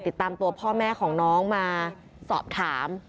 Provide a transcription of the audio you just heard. ติดตามตัวพ่อแม่ของน้องมาสอบถาม